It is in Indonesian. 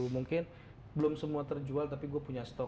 mungkin belum semua terjual tapi gue punya stok